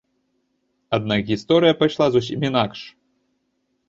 Аднак гісторыя пайшла зусім інакш.